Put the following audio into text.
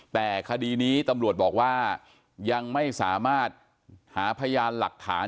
แต่คดีนี้ตำรวจบอกว่ายังไม่สามารถหาพยานหลักฐาน